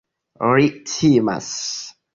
Ri timas.